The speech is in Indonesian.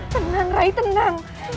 tenang rai tenang